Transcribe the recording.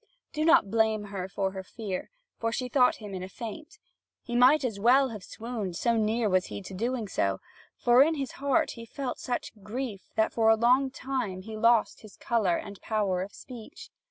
Do not blame her for her fear, for she thought him in a faint. He might as well have swooned, so near was he to doing so; for in his heart he felt such grief that for a long time he lost his colour and power of speech.